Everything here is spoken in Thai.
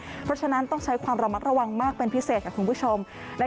เพราะฉะนั้นต้องใช้ความระมัดระวังมากเป็นพิเศษค่ะคุณผู้ชม